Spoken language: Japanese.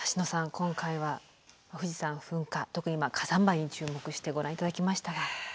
今回は富士山噴火特に火山灰に注目してご覧頂きましたが。